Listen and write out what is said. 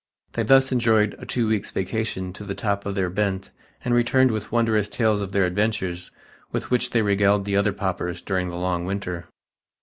They thus enjoyed a two weeks' vacation to the top of their bent and returned with wondrous tales of their adventures, with which they regaled the other paupers during the long winter.